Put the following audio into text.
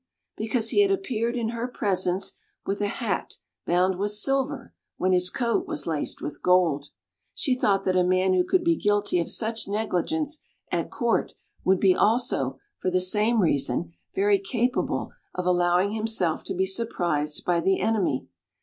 Because he had appeared in her presence with a hat bound with silver when his coat was laced with gold. She thought that a man who could be guilty of such negligence at Court would be also, for the same reason, very capable of allowing himself to be surprised by the enemy.